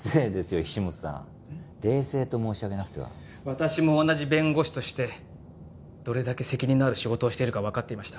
私も同じ弁護士としてどれだけ責任のある仕事をしているかわかっていました。